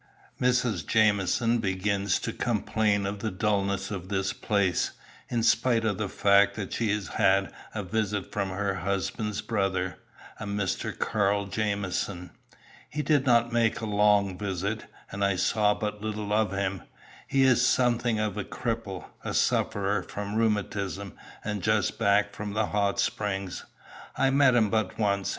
"Mrs. Jamieson begins to complain of the dullness of this place, in spite of the fact that she has had a visit from her husband's brother, a Mr. Carl Jamieson. He did not make a long visit, and I saw but little of him. He is something of a cripple, a sufferer from rheumatism, and just back from the hot springs. I met him but once.